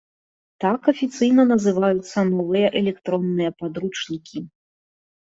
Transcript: Так афіцыйна называюцца новыя электронныя падручнікі.